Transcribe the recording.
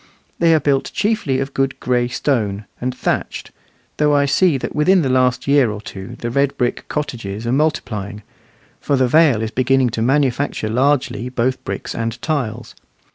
They are built chiefly of good gray stone, and thatched; though I see that within the last year or two the red brick cottages are multiplying, for the Vale is beginning to manufacture largely both bricks and tiles.